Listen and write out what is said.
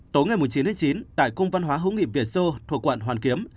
tối ngày chín chín tại cung văn hóa hữu nghị việt xô thuộc quận hoàn kiếm